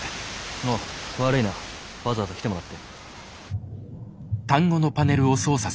おぉ悪いなわざわざ来てもらって。